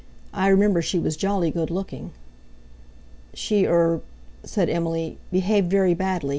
I remember she was jolly good looking." "She—er...." said Emily, "behaved very badly.